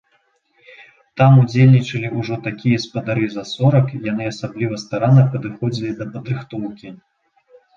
Там удзельнічалі ўжо такія спадары за сорак, яны асабліва старанна падыходзілі да падрыхтоўкі.